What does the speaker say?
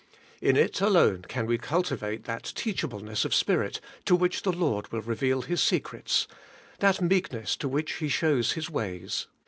In it alone can we cultivate that teachableness of spirit to which the Lord will reveal His secrets, — that meekness to which He shows His ways.